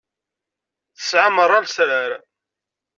Nesεa merra lesrar.